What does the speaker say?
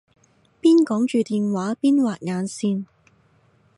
邊講住電話邊畫眼線